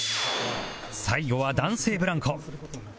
最後は男性ブランコ